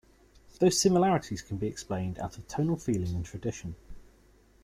Those similarities can be explained out of tonal feeling and tradition.